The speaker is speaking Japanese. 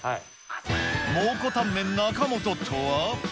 蒙古タンメン中本とは。